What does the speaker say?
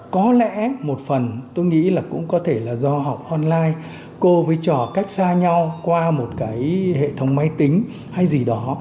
có lẽ một phần tôi nghĩ là cũng có thể là do học online cô với trò cách xa nhau qua một cái hệ thống máy tính hay gì đó